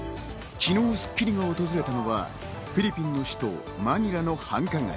昨日『スッキリ』が訪れたのは、フィリピンの首都・マニラの繁華街。